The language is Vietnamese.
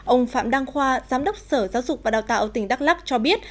ông phạm đăng khoa giám đốc sở giáo dục và đào tạo tỉnh đắk lắc cho biết